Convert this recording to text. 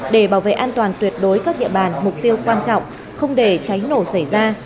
để bảo vệ an toàn tuyệt đối các địa bàn mục tiêu quan trọng không để cháy nổ xảy ra